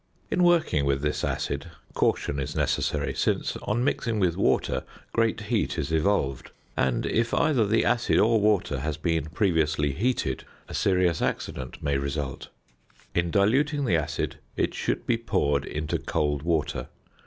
In working with this acid caution is necessary, since, on mixing with water, great heat is evolved; and, if either the acid or water has been previously heated, a serious accident may result. In diluting the acid it should be poured into cold water.